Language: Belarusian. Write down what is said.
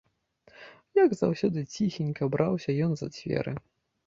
Як заўсёды, ціхенька браўся ён за дзверы.